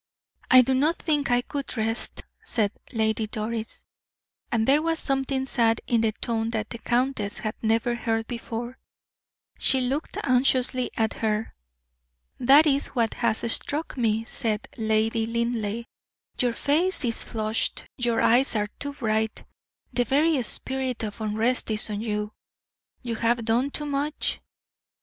"I do not think I could rest," said Lady Doris. And there was something sad in the tone that the countess had never heard before. She looked anxiously at her. "That is what has struck me," said Lady Linleigh. "Your face is flushed, your eyes are too bright; the very spirit of unrest is on you. You have done too much.